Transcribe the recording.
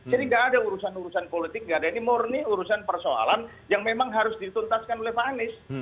jadi nggak ada urusan urusan politik nggak ada ini murni urusan persoalan yang memang harus dituntaskan oleh pak anies